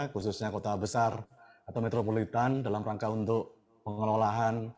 khususnya kota besar atau metropolitan dalam rangka untuk pengelolaan